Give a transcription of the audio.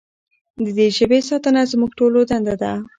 د دې ژبې ساتنه زموږ ټولو دنده ده.